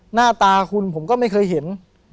หน้าตาคุณผมก็ไม่เคยเห็น